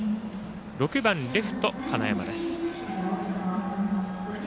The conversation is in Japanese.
６番レフト、金山です。